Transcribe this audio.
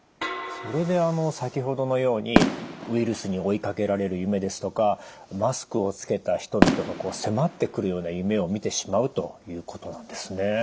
それで先ほどのようにウイルスに追いかけられる夢ですとかマスクを着けた人々が迫ってくるような夢をみてしまうということなんですね。